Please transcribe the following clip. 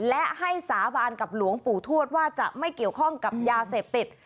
และให้สาบานกับหลวงปู่ทวดว่าจะไม่เกี่ยวข้องกับยาเสพติด